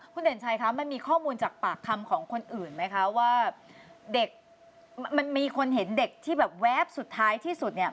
คุณเด่นชัยคะมันมีข้อมูลจากปากคำของคนอื่นไหมคะว่าเด็กมันมีคนเห็นเด็กที่แบบแวบสุดท้ายที่สุดเนี่ย